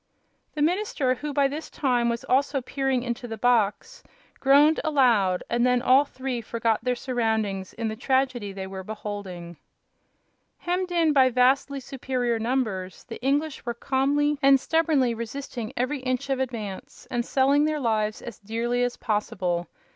The minister, who by this time was also peering into the box, groaned aloud, and then all three forgot their surroundings in the tragedy they were beholding. Hemmed in by vastly superior numbers, the English were calmly and stubbornly resisting every inch of advance and selling their lives as dearly as possible.